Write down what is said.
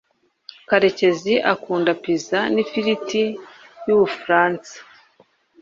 karekezi akunda pizza nifiriti yubufaransa